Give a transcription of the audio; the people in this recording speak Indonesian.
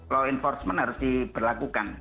law enforcement harus diberlakukan